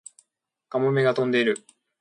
カモメが飛んでいる